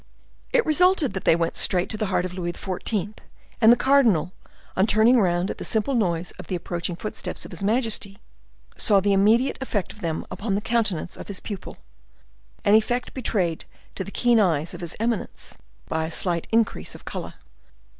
It resulted that they went straight to the heart of Louis XIV., and the cardinal, on turning round at the simple noise of the approaching footsteps of his majesty, saw the immediate effect of them upon the countenance of his pupil, an effect betrayed to the keen eyes of his eminence by a slight increase of color.